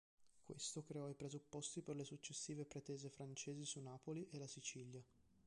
Questo creò i presupposti per le successive pretese francesi su Napoli e la Sicilia.